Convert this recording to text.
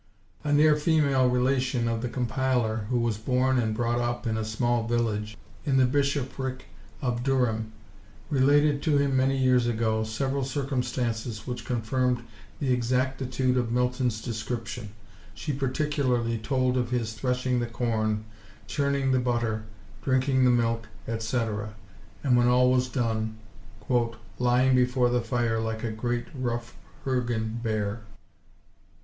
A near female relation of the compiler, who was born and brought up in a small village in the bishopric of Durham, related to him many years ago, several circumstances which confirmed the exactitude of Milton's description; she particularly told of his threshing the corn, churning the butter, drinking the milk, etc., and, when all was done, "lying before the fire like a great rough hurgin bear."